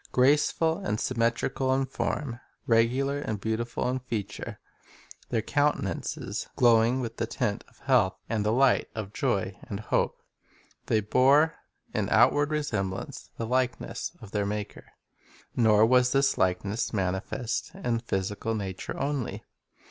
Graceful and symmetrical in form, regular and beautiful in feature, their countenances glowing with the tint of health and the light of joy and hope, they bore in outward resemblance the likeness of their Maker. Nor was this likeness manifest in the physical nature only.